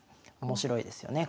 面白いですよね